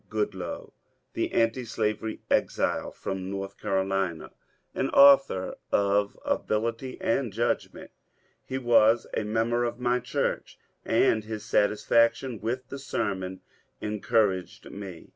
Goodloe, the antislavery exile from North Carolina, an author of ability and judgment He was a mem ber of my church, and his satisfaction with the sermon en couraged me.